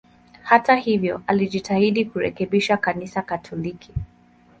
Hata hivyo, alijitahidi kurekebisha Kanisa Katoliki.